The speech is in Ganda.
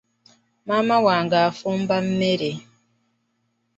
Maama wange afumba mmere.